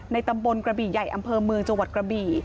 ตำบลกระบี่ใหญ่อำเภอเมืองจังหวัดกระบี่